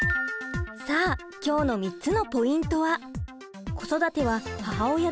さあ今日の３つのポイントは。